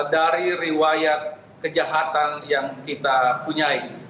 dari riwayat kejahatan yang kita punyai